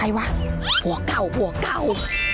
น่าสงสารมากเลย